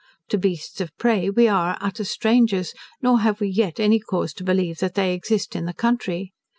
To beasts of prey we are utter strangers, nor have we yet any cause to believe that they exist in the country.